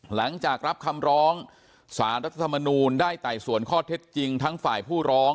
หลังจากรับคำร้องสารรัฐธรรมนูลได้ไต่สวนข้อเท็จจริงทั้งฝ่ายผู้ร้อง